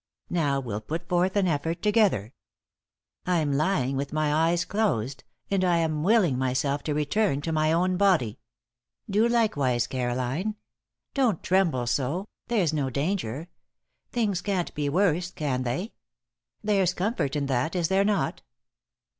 Now, we'll put forth an effort together. I'm lying with my eyes closed, and I am willing myself to return to my own body. Do likewise, Caroline. Don't tremble so! There's no danger. Things can't be worse, can they? There's comfort in that, is there not?